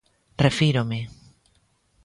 Refírome.